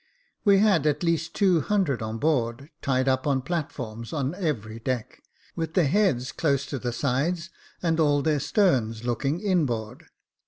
We had at least two hundred on board, tied up on plat forms on every deck, with their heads close to the sides. So Jacob Faithful and all their sterns looking in board.